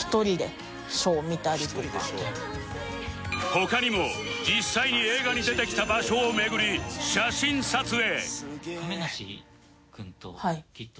他にも実際に映画に出てきた場所を巡り写真撮影